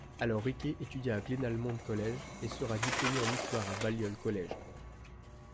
Alors Rickey étudia à Glenalmond College et sera diplômé en histoire à Balliol College.